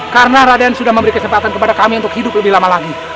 karena raden sudah memberi kesempatan kepada kami untuk hidup lebih lama lagi